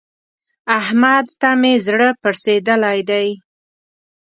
احمد ته مې زړه پړسېدلی دی.